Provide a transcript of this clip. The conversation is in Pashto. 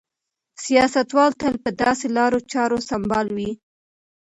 سیاستوال تل په داسې لارو چارو سمبال وي.